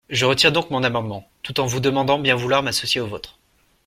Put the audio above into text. Je retire donc mon amendement, tout en vous demandant bien vouloir m’associer au vôtre.